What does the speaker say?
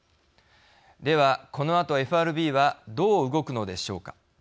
ではこのあとＦＲＢはどう動くのでしょうか。